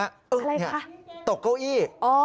อะไรคะตกเก้าอี้